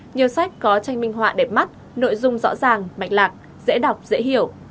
nhiều sách có tranh minh họa đẹp mắt nội dung rõ ràng mạch lạc dễ đọc dễ hiểu